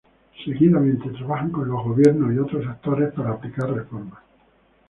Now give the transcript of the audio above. Seguidamente trabajan con gobiernos y otros actores para aplicar reformas.